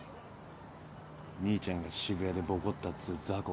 兄ちゃんが渋谷でボコったっつう雑魚は。